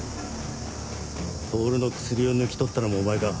透の薬を抜き取ったのもお前か。